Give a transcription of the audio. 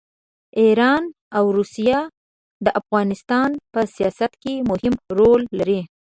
ایران او روسیه د افغانستان په سیاست کې مهم رول لري.